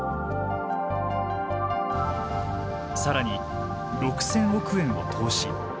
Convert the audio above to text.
更に６，０００億円を投資。